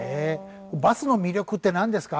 バスの魅力ってなんですか？